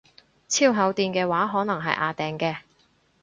超厚墊嘅話可能係掗掟嘅